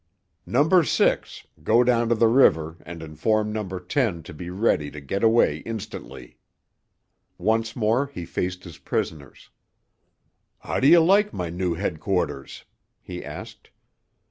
"Number Six, go down to the river and inform Number Ten to be ready to get away instantly." Once more he faced his prisoners. "How do you like my new headquarters?" he asked.